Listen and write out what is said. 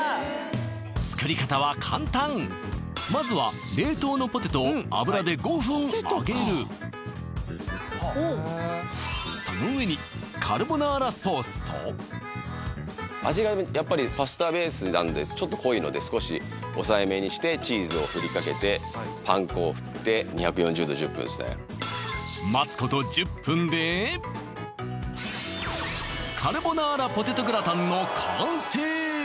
作り方は簡単まずは冷凍のポテトを油で５分揚げるその上にカルボナーラソースと味がやっぱりパスタベースなんでちょっと濃いので少し抑えめにしてチーズをふりかけてパン粉をふって２４０℃１０分ですね待つこと１０分での完成！